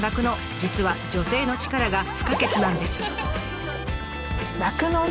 実は女性の力が不可欠なんです。